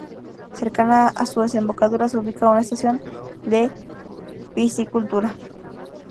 Cercana a su desembocadura se ubica una estación de piscicultura..